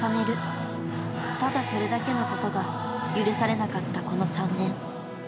ただそれだけのことが許されなかったこの３年。